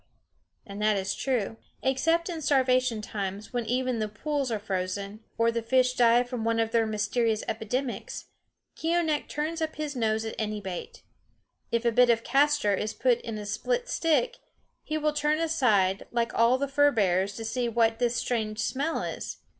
And that is true. Except in starvation times, when even the pools are frozen, or the fish die from one of their mysterious epidemics, Keeonekh turns up his nose at any bait. If a bit of castor is put in a split stick, he will turn aside, like all the fur bearers, to see what this strange smell is.